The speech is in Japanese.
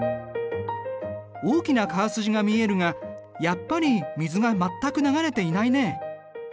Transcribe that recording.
大きな川筋が見えるがやっぱり水が全く流れていないね。